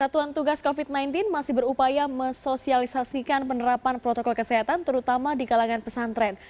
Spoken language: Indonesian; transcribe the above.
satuan tugas covid sembilan belas masih berupaya mensosialisasikan penerapan protokol kesehatan terutama di kalangan pesantren